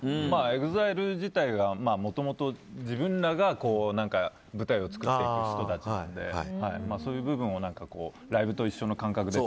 ＥＸＩＬＥ自体がもともと自分らが舞台を作っていく人たちなのでそういう部分をライブと一緒の感覚で。